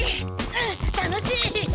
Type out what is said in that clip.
うん楽しい。